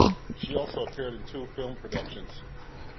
She also appeared in two film productions.